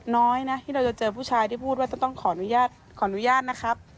น้อยนะที่เราจะเจอผู้ชายที่พูดว่าจะต้องขออนุญาตขออนุญาตนะครับ